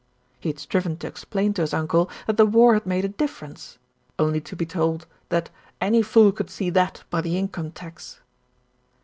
He had striven to explain to his uncle that the war had made a difference, only to be told that any fool could see that by the Income Tax.